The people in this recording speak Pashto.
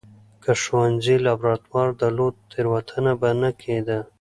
که ښوونځي لابراتوار درلود، تېروتنه به نه کېده.